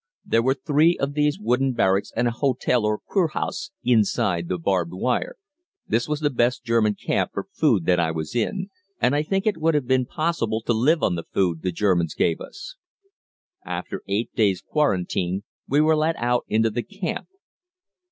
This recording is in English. There were three of these wooden barracks and a hotel or Kurhaus inside the barbed wire. This was the best German camp for food that I was in, and I think it would be possible to live on the food the Germans gave us. After eight days' quarantine we were let out into the camp.